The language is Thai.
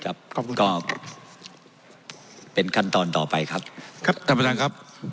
ขอบคุณครับเป็นขั้นตอนต่อไปครับครับท่านประธานครับ